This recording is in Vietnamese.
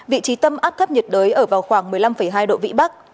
vị trí tâm áp thấp nhiệt đới ở vào khoảng một mươi năm hai độ vĩ bắc